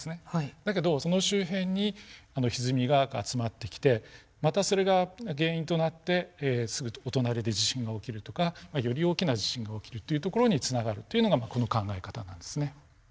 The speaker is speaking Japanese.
だけどその周辺にひずみが集まってきてまたそれが原因となってすぐお隣で地震が起きるとかより大きな地震が起きるというところにつながるというのがこの考え方なんですね。